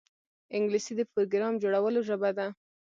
انګلیسي د پروګرام جوړولو ژبه ده